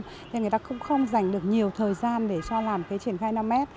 thế nên người ta cũng không dành được nhiều thời gian để cho làm cái triển khai năm s